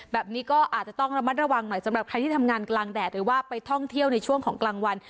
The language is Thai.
แบบนี้ก็อาจจะต้องระมัดระวังหน่อยสำหรับใครที่ทำงานกลางแดดหรือว่าไปท่องเที่ยวในช่วงของกลางวัน